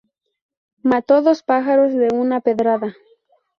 Mató dos pájaros de una pedrada